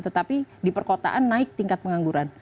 tetapi di perkotaan naik tingkat pengangguran